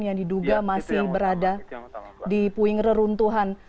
yang diduga masih berada di puing reruntuhan